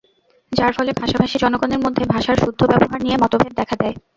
যার ফলে ভাষাভাষী জনগণের মধ্যে ভাষার শুদ্ধ ব্যবহার নিয়ে মতভেদ দেখা দেয়।